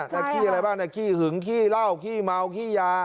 ใช่ไหมนั่นน่ะคี่อะไรบ้างน่ะคี่หึงคี่เหล้าคี่เมาคี่ยา